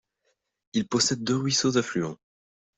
Il possède deux ruisseaux affluents.